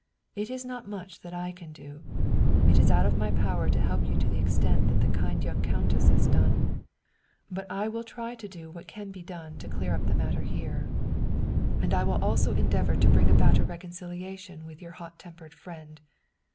It is not much that I can do, it is out of my power to help you to the extent that the kind young countess has done, but I will try to do what can be done 107 German Mystery Stories to clear up the matter here; and I will also endeavor to bring about a reconciliation with your hot tempered friend.